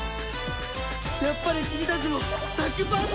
やっぱり君たちもタッグパートナーだ！